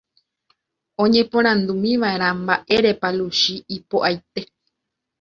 oñeporandúmiva'erã mba'érepa Luchi ipo'aite